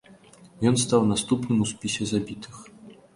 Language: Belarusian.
Ён стаў наступным у спісе забітых.